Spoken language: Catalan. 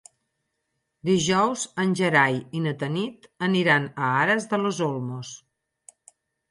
Dijous en Gerai i na Tanit aniran a Aras de los Olmos.